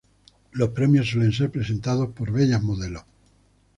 Los premios suelen ser presentados por bellas modelos.